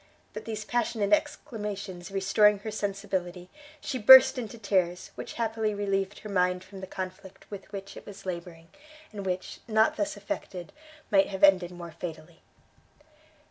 But these passionate exclamations restoring her sensibility, she burst into tears, which happily relieved her mind from the conflict with which it was labouring, and which, not thus effected, might have ended more fatally.